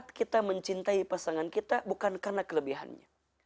saat kita mencintai pasangan kita bukan karena kelebihannya